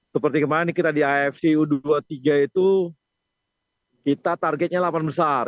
seperti kemarin kita di afc u dua puluh tiga itu kita targetnya delapan besar